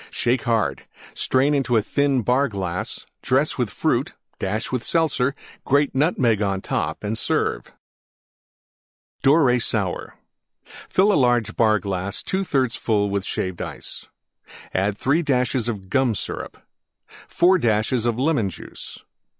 Shake hard; strain into thin Bar glass; dress with Fruit; dash with Seltzer; grate Nutmeg on top and serve. DORAY SOUR Fill large Bar glass 2/3 full Shaved Ice. 3 dashes Gum Syrup 4 dashes Lemon Juice.